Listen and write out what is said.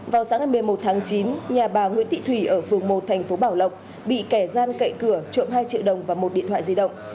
vào sáng ngày một mươi một tháng chín nhà bà nguyễn thị thủy ở phường một thành phố bảo lộc bị kẻ gian cậy cửa trộm hai triệu đồng và một điện thoại di động